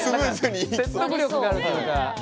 何か説得力があるというか。